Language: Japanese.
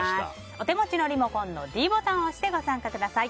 お手持ちのリモコンのｄボタンを押して、ご参加してください。